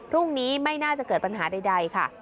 พรุ่งนี้ไม่น่าจะเกิดปัญหาใดค่ะ